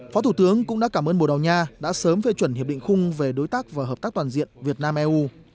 phó thủ tướng cũng đã cảm ơn bồ đào nha đã sớm phê chuẩn hiệp định khung về đối tác và hợp tác toàn diện việt nam eu